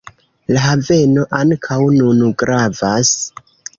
La haveno ankaŭ nun gravas.